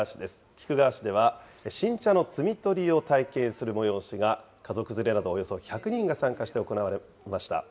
菊川市では新茶の摘み取りを体験する催しが、家族連れなどおよそ１００人が参加して行われました。